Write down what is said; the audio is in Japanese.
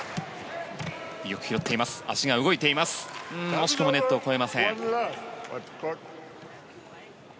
惜しくもネットを越えません。